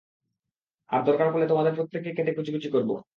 আর দরকার পরলে তোমাদের প্রত্যেককে কেটে কুচিকুচি করবো।